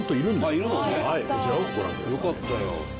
よかったよ。